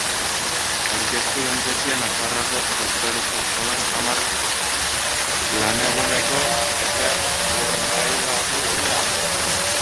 Aurkeztu den tesia Nafarroako Doktoretza Eskolan hamar laneguneko epean gordailutuko da.